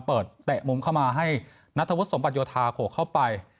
เตะมุมเข้ามาให้นัทธวุฒิสมบัติโยธาโขกเข้าไป